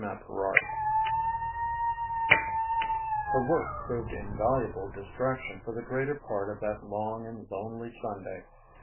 XVI Her work proved invaluable distraction for the greater part of that long and lonely Sunday.